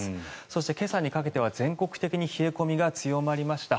そして今朝にかけては全国的に冷え込みが強まりました。